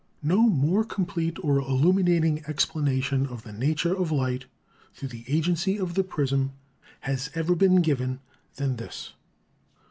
No more complete or illuminating explanation of the nature of light through the agency of the prism has ever been given than this.